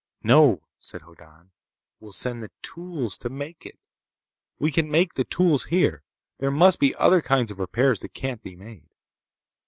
"No," said Hoddan. "We'll send the tools to make it. We can make the tools here. There must be other kinds of repairs that can't be made.